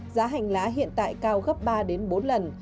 giá hành lá hiện tại cao gấp ba đến bốn lần